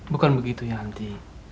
bukan begitu yanti